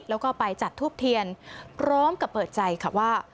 แล้วก็ไปจัดทูบเทียนพร้อมกับเปิดใจค่ะว่า